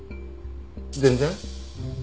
全然。